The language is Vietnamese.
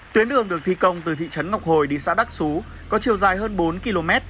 tuyến đường được thi công từ thị trấn ngọc hồi đi xã đắc xú có chiều dài hơn bốn km